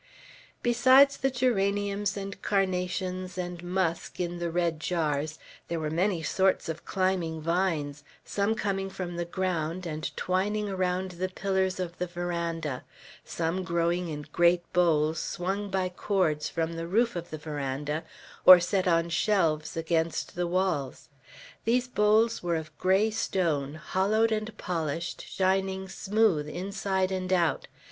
Besides the geraniums and carnations and musk in the red jars, there were many sorts of climbing vines, some coming from the ground, and twining around the pillars of the veranda; some growing in great bowls, swung by cords from the roof of the veranda, or set on shelves against the walls. These bowls were of gray stone, hollowed and polished, shining smooth inside and out.